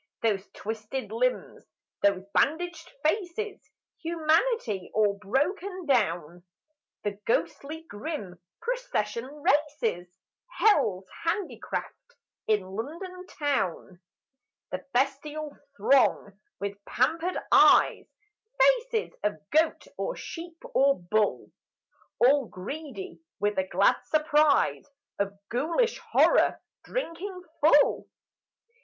Those twisted limbs, those bandaged faces! Humanity all broken down! The ghostly grim procession races: Hell's handicraft in London Town. The bestial throng with pampered eyes Faces of goat or sheep or bull All greedy with a glad surprise Of ghoulish horror drinking full.